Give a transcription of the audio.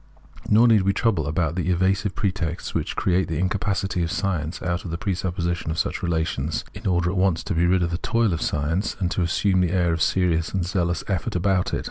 Nor need we trouble about the evasive pretexts which create the incapacity of science out of the presuppo sition of such relations, in order at once to be rid of the toil of science, and to assume the air of serious and zealous effort about it.